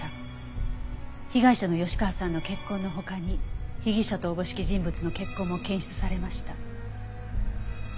被害者の吉川さんの血痕の他に被疑者とおぼしき人物の血痕も検出されました。